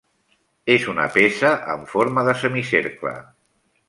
És una peça en forma de semicercle.